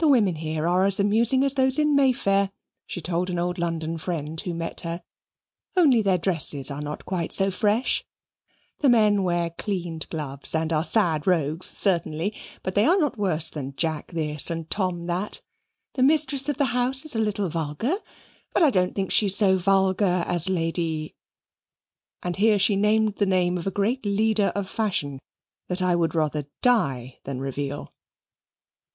"The women here are as amusing as those in May Fair," she told an old London friend who met her, "only, their dresses are not quite so fresh. The men wear cleaned gloves, and are sad rogues, certainly, but they are not worse than Jack This and Tom That. The mistress of the house is a little vulgar, but I don't think she is so vulgar as Lady " and here she named the name of a great leader of fashion that I would die rather than reveal.